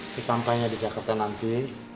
sesampainya di jakarta nanti